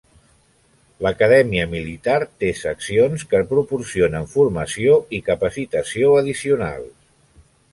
L'acadèmia militar té seccions, que proporcionen formació i capacitació addicionals.